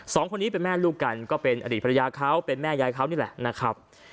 สองคนนี้เป็นแม่ลูกกันก็เป็นอดีตภรรยาเขาเป็นแม่ยายเขานี่แหละนะครับ